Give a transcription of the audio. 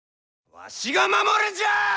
わしが守るんじゃあ！